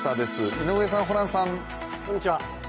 井上さん、ホランさん。